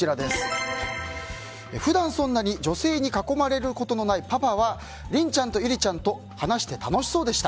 普段、そんなに女性に囲まれることのないパパは臨ちゃんと由里ちゃんと話して楽しそうでした。